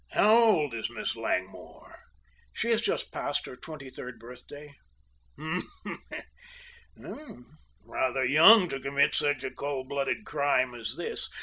"How old is Miss Langmore?" "She has just passed her twenty third birthday." "Humph! Rather young to commit such a cold blooded crime as this."